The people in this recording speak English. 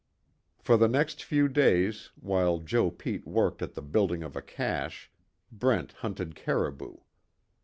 For the next few days, while Joe Pete worked at the building of a cache, Brent hunted caribou.